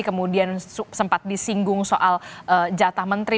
kemudian sempat disinggung soal jatah menteri